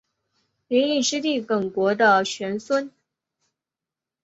耿弇之弟耿国的玄孙。